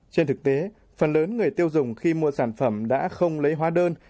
trên thực tế phần lớn người tiêu dùng khi mua sản phẩm đã không lấy hóa đơn